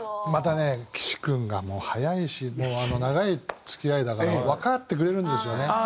またね岸君がもう速いし長い付き合いだからわかってくれるんですよね。